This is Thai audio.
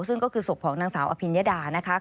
ซึ่งก็คือศพของนางสาวอภิญญดานะคะ